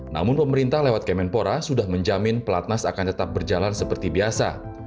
namun pemerintah lewat kemenpora sudah menjamin pelatnas akan tetap berjalan seperti biasa